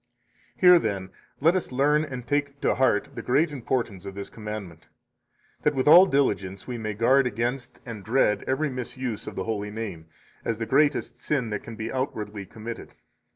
56 Here, then, let us learn and take to heart the great importance of this commandment, that with all diligence we may guard against and dread every misuse of the holy name, as the greatest sin that can be outwardly committed.